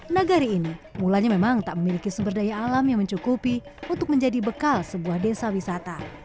nagari ini mulanya memang tak memiliki sumber daya alam yang mencukupi untuk menjadi bekal sebuah desa wisata